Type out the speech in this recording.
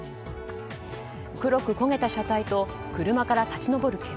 黒く焦げた車体と車から立ち上る煙。